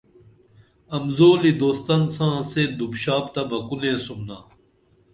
امزولی دوستن ساں سے دُپ شاپ تہ بہ کو نیسُمنا